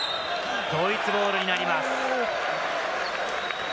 ドイツボールになります。